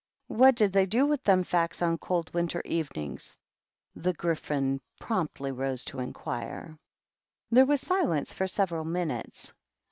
"What do they do with them facts on cold winter evenings ?" the Gryphon promptly rose to inquire. There was silence for several minutes.